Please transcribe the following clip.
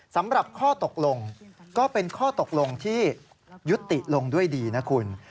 สำหรับข้อตกลงก็เป็นข้อตกลงที่ยุติลงด้วยดีนะคุณ